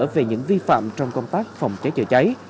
về những vi phạm trong công tác phòng cháy chữa cháy